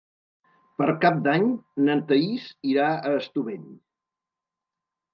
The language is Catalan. Per Cap d'Any na Thaís irà a Estubeny.